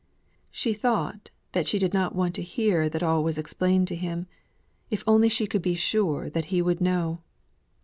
She thought that she did not want to hear that all was explained to him, if only she could be sure that he would know.